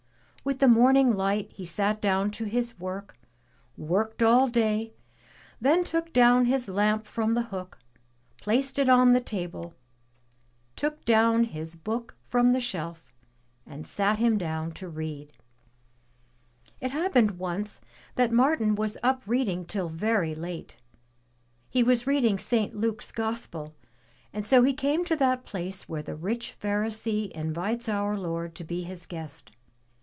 With the morning light he sat down to his work, worked all day, then took down his lamp from the hook, placed it on the table, took down his Book from the shelf and sat him down to read. It happened once that Martin was up reading till very late. He was reading St. Luke's Gospel and so he came to that place where the rich Pharisee invites our Lord to be his guest.